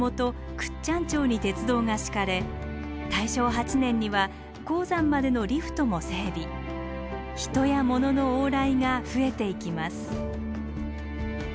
倶知安町に鉄道が敷かれ大正８年には鉱山までのリフトも整備人や物の往来が増えていきます。